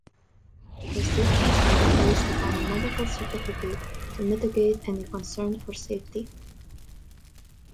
Restrictions may be placed upon a medical certificate to mitigate any concern for safety.